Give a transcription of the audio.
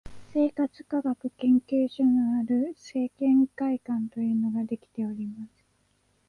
生活科学研究所のある生研会館というのができております